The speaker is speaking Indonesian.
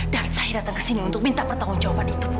dan saya datang ke sini untuk minta pertanggung jawaban itu bu